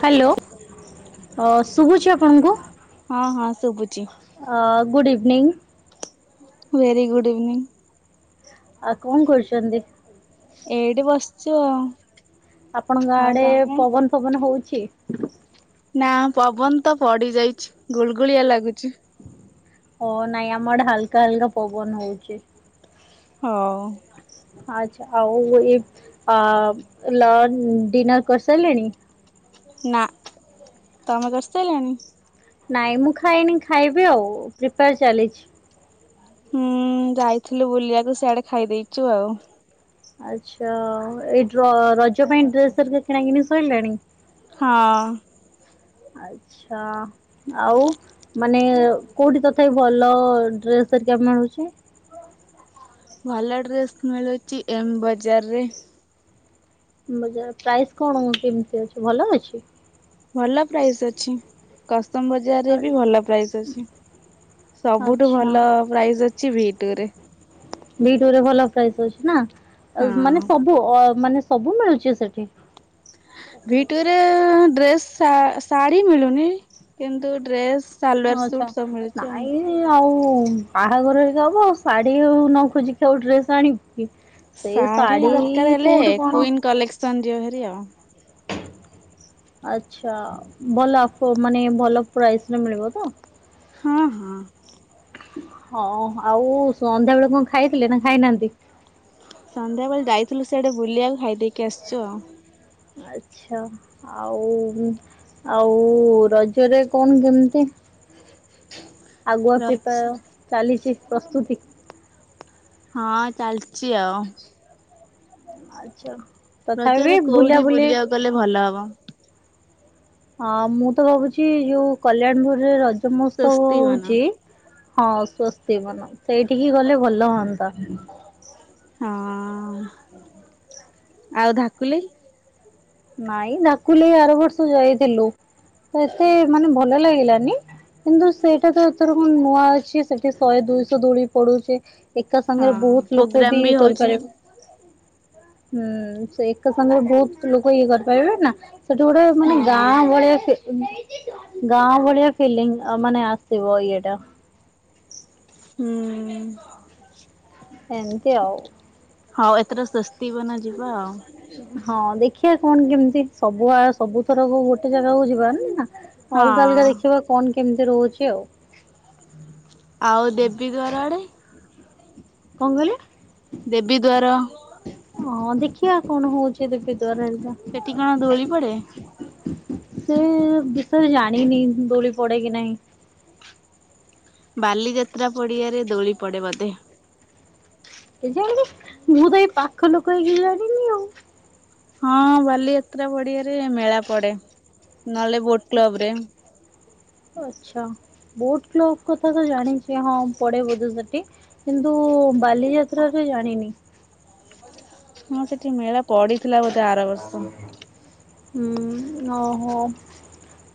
Hello ଅ ଶୁଭୁଛି ଆପଣଙ୍କୁ। ହଁ ହଁ ଶୁଭୁଛି ଅ good evening. Very good evening. ଆଉ କୁନ୍‌ କରୁଚନ୍ତି। ଏଇଠି ବସିଛୁ ଆଉ। ଆପଣଙ୍କ ଗାଁ ଆଉ ଆଡେ ତମେ? ପବନ ଫବନ ହଉଛି। ନା ପବନ ତ ପଡି ଯାଇଚି ଗୁଳୁଗୁଳିଆ ଲାଗୁଚି। ହଁ ନାଇଁ ଆମଡେ ହାଲକା ହାଲକା ପବନ ହୋଉଚି। ହଁ। ଆଚ୍ଛା ଆଉ ଏଇ ଲନ୍‌ ଡିନର୍ କରିସାରିଲେଣି? ନା ତମେ କାରିସାରିଲଣି? ନାଇଁ ମୁଁ ଖାଇନି ଖାଇବି ଆଉ ଏ ପ୍ରିପେୟାର ଚାଲିଚି। ହୁଁ ଯାଇଥିଲୁ ବୁଲିବାକୁ ସିଆଡେ ଖାଇଦେଇଛୁ ଆଉ। ଆଚ୍ଛା ଏଇ ରଜ ପାଇଁ ଡ୍ରେସ ହେରିକା କିଣା କିଣି ସରିଲାଣି? ହଁ। ଆଚ୍ଛା। ଆଉ ମାନେ କୋଉଠି ତଥାପି ଭଲ ଡ୍ରେସ ହେରିକା ମିଳୁଚି? ଭଲ ଡ୍ରେସ୍ ମିଳୁଚି ଏମ୍ ବଜାରରେ। ବଜାର ପ୍ରାଇସ୍ କଣ କେମିତି ଅଛି ଭଲ ଅଛି? ଭଲ ପ୍ରାଇଜ୍‌ ଅଛି କସମ୍ ବ ଜାରେ ବି ଭଲ ପ୍ରାଇଜ୍‌ ଅଛି ସବୁଠୁ ଆଚ୍ଛା ଭଲ ପ୍ରାଇଜ୍‌ ଅଛି ଭି ଟୁରେ। ଭି ଟୁ ରେ ଭଲ ପ୍ରାଇଜ୍‌ ଅଛି ନା ମାନେ ହଁ। ସବୁ ମାନେ ସବୁ ମିଳୁଛି ସେଠି? ଭି ଟୁ ରେ ଡ୍ରେସ୍ ଶାଢ଼ୀ ମିଳୁନି କିନ୍ତୁ ଡ୍ରେସ୍‌ ସାଲୱାର୍ ଆଚ୍ଛା। ସୁଟ୍ ସବୁ ମିଳୁଚି ଆଉ। ନାଇଁ ଆଉ ବାହାଘର ଏବେ ହବ ଆଉ ଶାଢୀ ନଖୋଜିକି ଆଉ ଡ୍ରେସ୍‌ ଆଣିବୁ କି। ଶାଢୀ ଦରକାର ହେଲେ କୋଉଠି କଣ କୁଇନ୍‌ କଲେକ୍ସନ ଯିବେଭାରି ଆଉ। ଆଚ୍ଛା ଭଲ ଅକ୍ଵ ମାନେ ଭଲ ପ୍ରାଇଜ୍‌ ରେ ମିଳିବ ତ? ହଁ ହଁ। ହଁ ଆଉ ସନ୍ଧ୍ୟା ବେଳେ କଣ ଖାଇଥିଲେ ନା ଖାଇନାହାନ୍ତି? ସନ୍ଧ୍ୟାବେଳେ ଯାଇଥିଲୁ ସେଆଡେ ବୁଲିବାକୁ ଖାଇଦେଇକି ଆସିଚୁ ଆଉ। ଆଚ୍ଛା। ଆଉ ଆଉ ରଜରେ କଣ କେମିତି ଆଗୁଆ ରଜ ପିପା ଚାଲିଚି ପ୍ରସ୍ତୁତି। ହଁ ଚାଲିଚି ଆଉ। ଆଚ୍ଛା ତଥାବି ବୁଲାବୁଲି କଲେ ଭଲ ହବ। ହଁ ମୁଁ ତ ଭାବୁଚି ଯୋଉ କଲ୍ୟାଣ ପୁରରେ ରଜ ମହୋତ୍ସବ ସ୍ଵସ୍ତି ବନ ହୋଉଚି ହଁ ସ୍ୱସ୍ତିକ୍ ମନ ସେଇଠିକି ଗଲେ ଭଲ ହୁଅନ୍ତା। ହଁ ଆଉ ଧାକୁଲି? ନାଇଁ ଢାକୁଲି ଆର ବର୍ଷ ଯାଇଥିଲୁ ତ ଏତେ ମାନେ ଭଲ ଲାଗିଲାନି। କିନ୍ତୁ ସେଇଟା ତ ଏଥର କଣ ନୂଆ ଅଛି ସେଠି ଶହେ ଦୁଇଶହ ଦୋଳି ପଡୁଚି ଏକା ହଁ ସାଙ୍ଗରେ ବହୁତ ଲୋକ ପ୍ରୋଗ୍ରାମ ବି ଇଏ ହଉଛି କରିପାରିବେ। ହୁଁ ସେ ଏକା ସାଙ୍ଗରେ ବହୁତ ଲୋକ ଇଏ କରିପାରିବେ ନା ସେଠି ଗୋଟେ ମାନେ ହଁ। ଗାଁ ଭଳିଆ ସେ ଏମେ ଗାଁ ଭଳିଆ ଫିଲିଙ୍ଗ ମାନେ ଆସିବ ଇଏଟା। ହୁଁ। ଏମିତି ଆଉ। ହୋଉ ଏଥର ଶସ୍ତି ବନା ଯିବ ଆଉ। ହଁ ଦେଖିବା କଣ କେମିତି ସବୁଆ ସବୁଥରକୁ ଗୋଟେ ଜାଗାକୁ ଯିବା ନା ଅଲଗା ଅଲଗା ହଁ। ଦେଖିବା କଣ କେମିତି ହୋଉଚି ଆଉ। ଆଉ ଦେବୀ ଦ୍ୱାର ଆଡ଼େ କଣ କହିଲ? ଦେବୀ ଦ୍ୱାର ହଁ ଦେଖିଆ କଣ ହୋଉଛି ଦେଵୀ ଦ୍ୱାରରେ ସେଠି କଣ ଦୋଳି ପଡେ? ସେ ବିଷୟରେ ଜାଣିନି ଦୋଳି ପଡେ କି ନାହିଁ। ବାଲିଯାତ୍ରା ପଡିଆରେ ଦୋଳି ପଡ଼େ ବୋଧେ? କେଜାଣି ମୁଁ ତ ଏଇ ପାଖ ଲୋକ ହେଇକି ଜାଣିନି ଆଉ। ହଁ ବାଲିଯାତ୍ରା ପଡିଆରେ ମେଳା ପଡେ, ନହେଲେ ବୋଟ୍ କ୍ଲବ ରେ। ଓ ଆଚ୍ଛା, ବୋଟ୍ କ୍ଲବ୍ କଥା ତ ଜାଣିଛି ହଁ ପଡେ ବୋଧେ ସେଠି। କିନ୍ତୁ ବାଲିଯାତ୍ରା ରେ ଜାଣିନି। ହଁ ସେଠି ମେଳା ପଡିଥିଲା ବୋଧେ ଆର ବର୍ଷ। ହୁଁ ଓହୋ।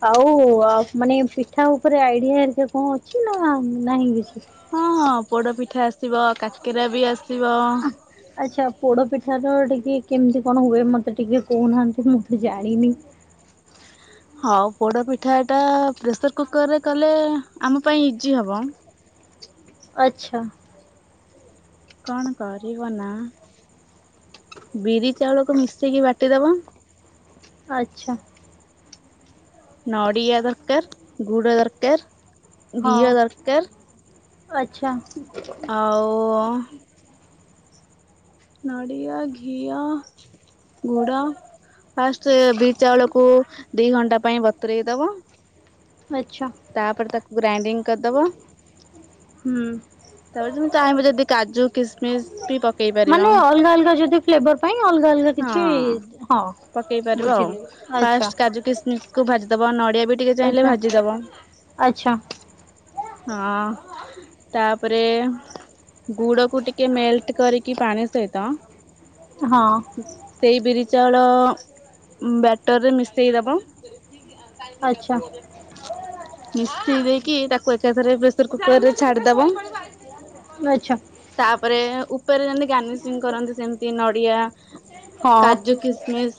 ଆଉ ଆ, ମାନେ ପିଠା ଉପରେ ଆଇଡିଆ ହେରିକା କଣ ଅଛି ନା ନାହିଁ କିଛି? ହଁ, ହଁ ପୋଡ ପିଠା ଆସିବ କାକେରା ବି ଆସିବ। ଆଚ୍ଛା, ପୋଡ଼ପିଠାର ଟିକେ କେମିତି କଣ ହୁଏ ମୋତେ ଟିକିଏ କହୁନାହାନ୍ତି ମୁଁ ତ ଜାଣିନି? ହଉ ପୋଡା ପିଠା ଟା ପ୍ରେସର୍ କୁକର୍ ରେ କଲେ ଆମ ପାଇଁ ଇଜି ହବ। ଆଚ୍ଛା। କଣ କରିବ ନା ବିରି ଚାଉଳକୁ ମିଶେଇକି ବାଟିଦବ। ଆଚ୍ଛା। ନଡ଼ିଆ ଦରକାର, ଗୁଡ଼ ଦରକାର, ହଁ ଘିଅ ଦରକାର ଆଚ୍ଛା। ଆଉ ନଡ଼ିଆ ଘିଅ ଗୁଡ ଫାଷ୍ଟ ବିରି ଚାଉଳକୁ ଦି ଘଣ୍ଟା ପାଇଁ ବତରେଇ ଦବ। ଆଚ୍ଛା। ତାପରେ ତାକୁ ଗ୍ରାଇଣ୍ଡିଙ୍ଗ କରିଦବ। ହୁଁ। ତାପରେ ତୁମେ ଚାହିଁବ ଯଦି କାଜୁ, କିସମିସ୍ ବି ପକେଇ ପାରିବ ମାନେ ଅଲଗା ଅଲଗା ଯଦି ଫ୍ଲେବର୍ ପାଇଁ ଅଲଗା ଅଲଗା କିଛି ହଁ ପକେଇ ହଁ ପାରିବ ଆଉ ବୁଝିଲି ଫାଷ୍ଟ ଆଚ୍ଛା। କାଜୁ, କିସମିସ୍ କୁ ଭାଜି ଦବ, ନଡିଆ ବି ଟିକେ ଚାହିଁଲେ ଆଚ୍ଛା। ଭାଜିଦବ ଆଚ୍ଛା। ହଁ ତାପରେ ଗୁଡ କୁ ଟିକେ ମେଲଟ୍ କରିକି ପାଣି ସହିତ ହଁ। ସେଇ ବିରି ଚାଉଳ ଉଁ, ବ୍ୟାଟର୍ ରେ ମିଶେଇ ଦବ। ଆଚ୍ଛା ମିଶେଇ ଦେଇକି ତାକୁ ଏ ଏକାଥରେ ପ୍ରେସର୍ କୁକର୍ ରେ ଛାଡିଦବ ଆଚ୍ଛା ତାପରେ ଉ ଉପରେ ଯେମିତି ଗାନିଶିଂ କରନ୍ତି ସେମିତି ନଡିଆ ହଁ, କାଜୁ କିସମିସ୍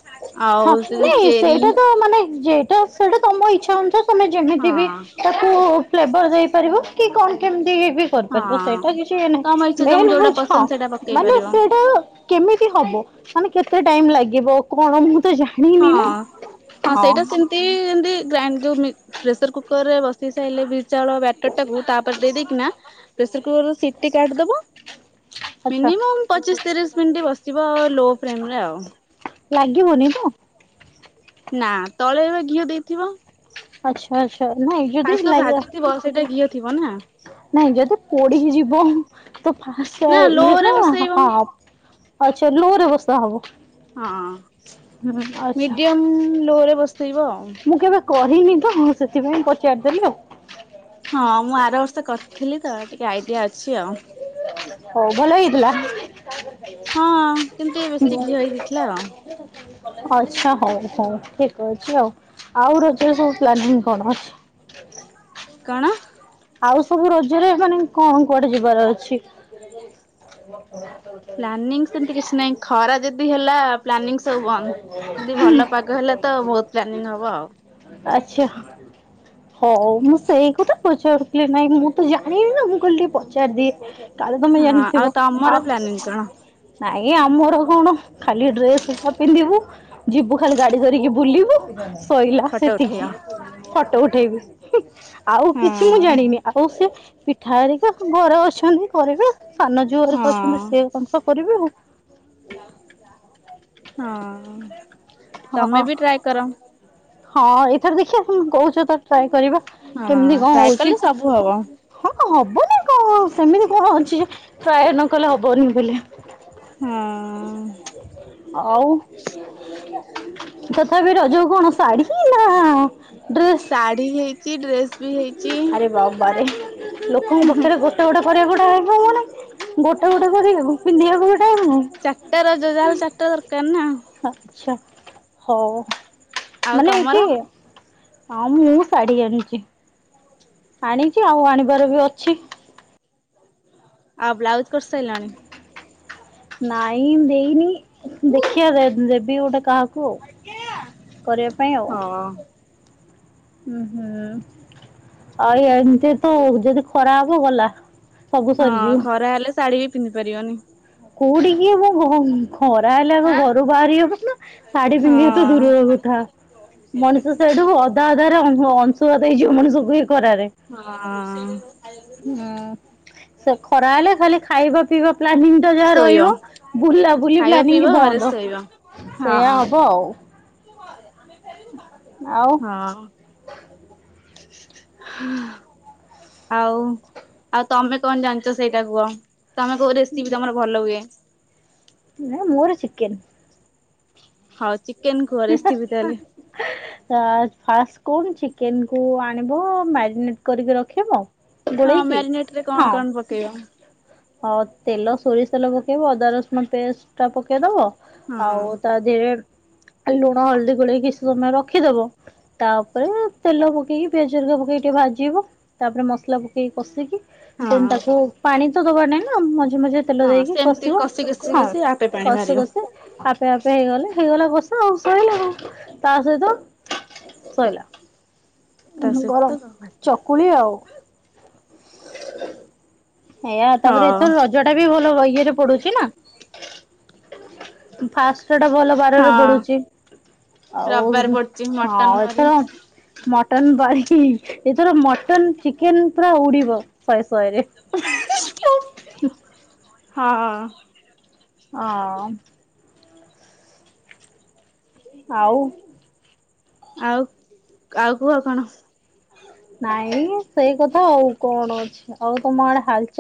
ଆଉ ହଁ ସେ ଯୋଉ ନାଇଁ ଚେରି ସେଇଟା ତ ମାନେ ଯେ ତ ସେଇଟା ତୋମ ଇଛା ଅନୁସାରେ ତୋମେ ଯେମିତି ହଁ ବି ତାକୁ ଫ୍ଲେବ୍ ର ଦେଇପାରିବ, କି କଣ କେମିତି ଇ ବି କରିପାରିବ ହଁ। ସେଇଟା କିଛି ଇଏ ନାହିଁ, ତମ ଇଚ୍ଛା ତମକୁ ମେନ୍ ଯୋଉଟା ହଉଛି ହଁ ପସନ୍ଦ ସେଇଟା ପକେଇ ମାନେ ପାରିବ ସେଇଟା କେମିତି ହବ ମାନେ କେତେ ଟାଇମ୍ ଲାଗିବ, କଣ ମୁଁ ତ ଜା ଣିନି ନା। ତି ଯେମତି ଗ୍ରାଇଣ୍ଡୁ ମି ପ୍ରେସର୍ କୁକର୍ ରେ ବସି ସାଇଲେ ବିରି ଚାଉଳ ବେଟର୍ ଟାକୁ ତାପରେ ଦେଇେଦେଇ କିନା ପ୍ରେସର୍ କୁକର୍ ର ସିଟି କାଢିଦବ। ଆଚ୍ଛା ମିନିମମ୍ ପଚିଶ ତିରିଶ ମିନିଟ୍ ବସିବ ଲୋ ଫ୍ରେମ୍ ରେ ଆଉ। ଲାଗିବନି ତ? ନା ତଳେ ବି ଘିଅ ଦେଇଥିବ। ଆଚ୍ଛା, ଆଚ୍ଛା, ନାଇ ଯଦି ଫାଷ୍ଟ ତ ଲାଗିଲା? ଭାଜିଥିବ ସେଇଟା ଘିଅ ଥିବ ନା ନାଇଁ ଯଦି ପୋଡ଼ି ହି ଯିବ ତ ଫାଷ୍ଟ ନା ଏ ଲୋ ଇଏ ରେ ନା ହଁ, ବସେଇବ ହଁ। ଆଚ୍ଛା ଲୋ ରେ ବସା ହବ? ହଁ ହୁଁ ଆଚ୍ଛା ମିଡିୟମ୍ ଲୋ ରେ ବସେଇବ। ମୁଁ କେବେ କହିନି ତ ମୁଁ ସେଥିପାଇଁ ପଚାରିଦେଲିି ଆଉ ହଁ ମୁଁ ଆର ବର୍ଷ କରିଥିଲି ତ ଟିକେ ଆଇଡିଆ ଅଛି ଆଉ। ହଉ ଭଲହେଇଥିଲା। ହଁ କିନ୍ତୁ ଏ ବେଶୀ ଘିଅ ହେଇ ଯାଇଥିଲା ଆଉ। ଆଚ୍ଛା ହଉ ହଉ ଠିକ ଅଛି ଆଉ, ଆଉ ରଜରେ ସବୁ ପ୍ଲାନିଂ କଣ? କଣ? ଆଉ ସବୁ ରଜରେ ମାନେ କଣ କୁଆଡେ ଯିବାର ଅଛି? ପ୍ଲାନିଙ୍ଗ ସେମିତି କିଛି ନାହିଁ ଖରା ଯଦି ହେଲା ପ୍ଲାନିଙ୍ଗ ସବୁ ବନ୍ଦ। ଯଦି ଭଲ ପାଗ ହେଲା ତ ବହୁତ ପ୍ଲାନିଂ ହବ ଆଉ। ଆଚ୍ଛା ହଉ ମୁଁ ସେଇ କଥା ପଚାରୁ ହେଲେ ନାଇଁ ମୁଁ ତ ଜାଣିନି ନା ମୁଁ କହିଲି ଟିକେ ପଚାରି ଦିଏ। କାଳେ ତମେ ହଁ ଜାଣିଥିବ ଆଉ ଆ ତମର ପ୍ଲାନିଂ କଣ? ନାଇଁ ଆମର କଣ ଖାଲି ଡ୍ରେସ ତ ପିନ୍ଧିବୁ। ଯିବୁ ଖାଲି ଗାଡି ଧରିକି ବୁଲିବୁ। ସଇଲା ଫଟୋ ଉଠେଇବ ସେତିକି ଫଟୋ ଉଠେଇବି ଆଉ ହଁ କିଛି ମୁଁ ଜାଣିନି। ଆଉ ସେ ପିଠା ହେରିକା ଘରେ ଅଛନ୍ତି କରିବା। ସାନ ଯୋଉ ହେରିକା ହଁ। ଅଛନ୍ତି ସେ ବର୍ଷ କରିବେ ଆଉ। ହଁ, ତମେ ହଁ, ବି ଟ୍ରାଏ କର ହଁ ଏଥର ଦେଖିବା କହୁଛ ତ ଟ୍ରାଏ କରିବା। ହଁ କେମିତି କଣ ଟ୍ରାଏ ହଉଛି କଲେ ସବୁ ହବ। ହଁ ହବନି କଣ ସେମିତି କଣ ଅଛି ଯେ ଟ୍ରାଏ ନକଲେ ହବନି ବୋଲି। ହଁ, ଆଉ ତଥାପି ରଜ କୁ କଣ ଶାଢ଼ୀ ହିଁ ନା ଡ୍ରେସ? ଶାଢୀ ହେଇଛି ଡ୍ରେସ୍ ଆରେ ବାବାରେ ଲୋକଙ୍କ ପାଖରେ ଗୋ ଗୋଟେ ଗୋଟେ କରିବାକୁ ଟାଇମ ହଉନି, ଗୋଟେ ଗୋଟେ କରିବାକୁ ପିନ୍ଧିବାକୁ ବି ଟାଇମ ଚାରଟା ର ଯାହେଲେ ଚାରଟା ଦରକାର ନା। ଆଚ୍ଛା ହଉ ଆଉ ମାନେ ତମର ଏଠି ହଁ ମୁଁ ଶାଢୀ ଆଣିଛି। ଆଣିଛି ଆଉ ଆଣିବାର ବି ଅଛି। ଆଉ ବ୍ଲାଉଜ୍ କରିସାରିଲଣି? ନାଇଁ ଦେଇନି ଦେଖିବା ଦେବି ଗୋଟେ କାହାକୁ। କୁ କରିବା ପାଇଁ ଆଉ। ହଁ, ହୁଁ, ହୁଁ ଆଉ ଏମିତି ତ ଯଦି ଖରା ହବ ଗଲା। ସବୁ ହଁ ସରିଯିବ ଖରା ହେଲେ ଶାଢୀ ବି ପିନ୍ଧି ପାରିବନି। କୋଉଠି କିି ମୁଁ ଖରା ହେଲେ ଆମ ଘରୁ ବାହାରି ଶାଢୀ ପିନ୍ଧିବା ତ ହଁ। ଦୂରର କଥା। ମଣିଷ ସେଇଠୁ ଅଧା ଅଧାରେ ଅଂଶୁପାତ ହେଇଯିବ ମଣିଷ ବି ଖରାରେ। ହଁ, ହୁଁ ସେ ଖରା ହେଲେ ଖାଲି ଖାଇବା ପିଇବା ପ୍ଲାନିଂ ଯାହା ଶୋଇବ ରହିବ ବୁଲା ବୁଲି ଖାଇବ ପିଇବ ପ୍ଲାନିଙ୍ଗ ଘରେ ବନ୍ଦ, ଶୋଇବ। ହଁ ସେଇୟା ହଁ ହବ ଆଉ। ଆଉ ହଁ, ଆଉ, ଆଉ ତମେ କଣ ଜାଣିଛ ସେଇଟା କୁହ? ତମେ କୋଉ ରେସିପି ତମର ଭଲ ହୁଏ? ମାମ ମୋର ଚିକେନ୍। ହଉ ଚିକେନ କୁହ ରେସିପି ତାହେଲେ? ହ ଫାଷ୍ଟ କଣ ଚିକେନ କୁ ଆଣିବ ମ୍ୟାରିନେଟ କରିକି ରଖିବ ହଁ ଗୋଳେଇକି ମ୍ୟାରିନେଟ ରେ କଣ କଣ ପକେଇବ? ହଁ ତେଲ ସୋରିଷ ତେଲ ପକେଇବ ଅଦା ରସୁଣ ପେଷ୍ଟ ଟା ପକେଇଦବ ହଁ ଆଉ ତା ରେ ଲୁଣ ହଳଦୀ ଗୋଳେଇ କି କିଛି ସମୟ ରଖିଦବ। ତାପରେ ତେଲ ପକେଇକି ପିଆଜ ହେରିକା ପକେଇକି ଟିକେ ଭାଜିବ ତାପରେ ମସଲା ପକେଇକି କଷିକି ହଁ। ତାକୁ ପାଣି ତ ଦବାର ନାଇଁ ନା ମଝି ମଝି ତେଲ ହଁ ଦେଇକି ସେମିତି କଷିବ କଷି କଷି ହଁ କଷି ଆପେ ପାଣି କଷି ବାହାରିବ କଷି ଆପେ ଆପେ ହେଇଗଲେ ହେଇଗଲା କଷା ଆଉ ସଇଲା ତା ସହିତ ସଇଲା ତା ଗରମ ସହିତ ଭାତ। ଚକୁଳି ଆଉ ଏଇଆ ତାପରେ ହଁ ଏଥର ରଜ ଟା ବି ଭଲ ଇଏରେ ପଡୁଛି ନା ଫାଷ୍ଟ ଟା ଭଲ ବାରରେ ହଁ ପଡୁଛି। ଆଉ ରବିବାର ପଡୁଛି ହଁ ମଟନ କରି ଏଥର ମଟନ ବାରି ଏଥର ମଟନ ଚିକେନ ପୁରା ଉଡିବ ଶହେ ଶହେରେ [unintelligible] ହ ହଁ ହଁ ଆଉ ଆଉ ଆଉ କୁହ କଣ? ନାଇଁ ସେଇ କଥା ଆଉ କଣ ଅଛି ଆଉ ତମ ଆଡେ ହାଲ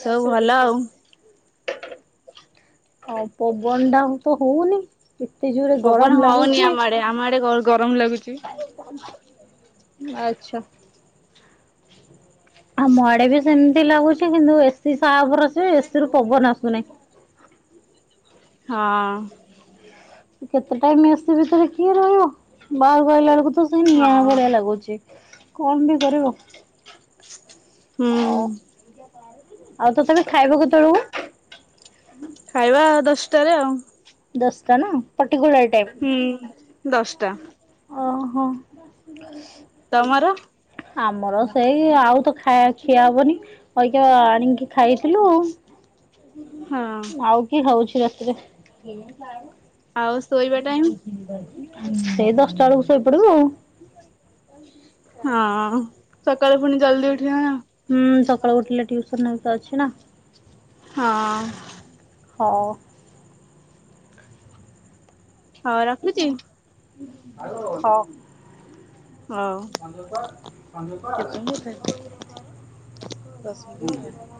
ସବୁ ଭଲ ଆଉ। ଆଉ ପବନ ଟା ତ ହଉନି କେତେ ଜୋରେ ପବନ ଗରମ ହଉନି ଲାଗୁଛି। ଆମ ଆଡେ ଆମ ଆଡେ ଗରମ ଲାଗୁଛି। ଆଚ୍ଛା ଆଉ ମଆଡେ ବି ସେମିତି ଲାଗୁଛି କିନ୍ତୁ ଏସିି ସା ବରସେ ଏସିରୁୁ ପବନ ଆସୁନାହିଁ। ହଁ କେତେ ଟାଇମ ଏସି ଭିତରେ କିଏ ରହିବ ବାହାରକୁ ଆଇଲା ବେଳକୁ ସେ ନିଆଁ ହଁ। ଭଳିିଆ ଲାଗୁଛି କଣ ବି କରିବ? ହୁଁ ହଉ ଆଉ ତ ତମେ ଖାଇବ କେତେ ବେଳକୁ? ଖାଇବା ଦଶଟାରେ ଆଉ। ଦଶ ଟା ନା ପର୍ଟିକୁଲାର ଟାଇମ। ହୁଁ ଦଶଟା ଓହୋ। ତମର? ଆମର ସେଇ ଆଉ ତ ଖାଇ ଖିଆ ହବନି। ଐକଆ ଆଣିକି ଖାଇଥିଲୁ। ହଁ ଆଉ କିଏ ଖାଉଛି ରାତିରେ। ଆଉ ଶୋଇବା ଟାଇମ ସେଇ ଦଶଟା ବେଳକୁ ଶୋଇପଡିବୁ ଆଉ ହଁ ସକାଳୁ ପୁଣି ଜଲଦି ଉଠିବା ନା। ହୁଁ ସକାଳୁ ଉଠିଲେ ଟିଉସନ ବି ତ ଅଛି ନା ହଁ ହଁ ହଁ ରଖୁଛି। ହଁ ହଉ ସନ୍ଦୀପ ସନ୍ଦୀପ କୁଆଡ଼େ ଗଲା ଦଶ ମିନିଟ ହେଇଗଲା।